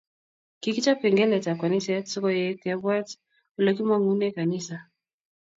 Kikichob kengelet ab kaniset so koek kebwat olekimangune kanisa